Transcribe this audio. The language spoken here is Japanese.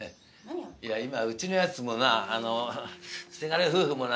いや今うちのやつもなせがれ夫婦もな